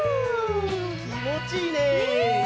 きもちいいね！ね！